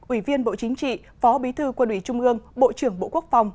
ủy viên bộ chính trị phó bí thư quân ủy trung ương bộ trưởng bộ quốc phòng